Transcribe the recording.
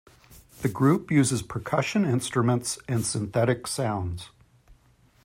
The group uses percussion instruments and synthetic sounds.